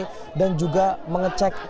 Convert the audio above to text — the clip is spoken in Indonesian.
kemudian juga diperiksa barang bukti apakah sesuai